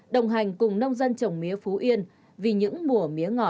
đồng hành cùng nông dân trồng mía phú yên vì những mùa mía ngọt